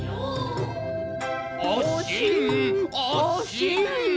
おしんおしん！